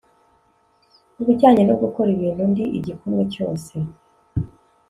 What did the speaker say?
Ku bijyanye no gukora ibintu Ndi igikumwe cyose